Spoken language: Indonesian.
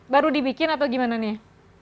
baru dibikin atau gimana nih